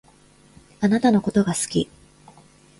あなたのことが好き